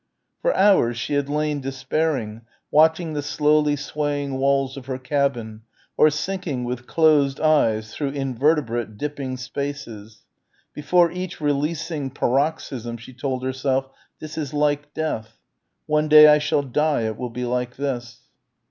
For hours she had lain despairing, watching the slowly swaying walls of her cabin or sinking with closed eyes through invertebrate dipping spaces. Before each releasing paroxysm she told herself "this is like death; one day I shall die, it will be like this."